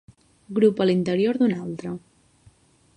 Grup a l'interior d'un altre.